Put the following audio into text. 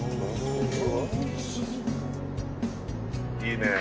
いいねえ。